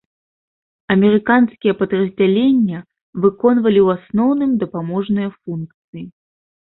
Амерыканскія падраздзялення выконвалі ў асноўным дапаможныя функцыі.